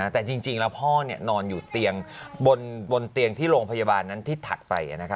แต่จริงแล้วพ่อนอนอยู่เตียงบนเตียงที่โรงพยาบาลนั้นที่ถัดไป